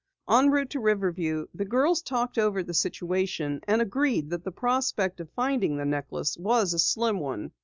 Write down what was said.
Enroute to Riverview, the girls talked over the situation and agreed that the prospect of finding the necklace was a slim one.